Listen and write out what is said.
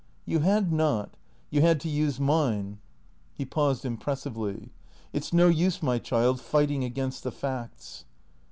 " You had not. You had to use mine." He paused impressively. " It 's no use, my child, fighting against the facts."